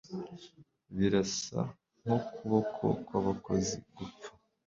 birasa nkukuboko kwabakozi gupfa